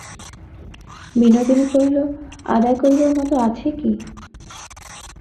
বিনোদিনী কহিল, আদায় করিবার মতো আছে কী।